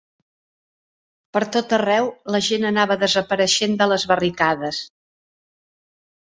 Pertot arreu la gent anava desapareixent de les barricades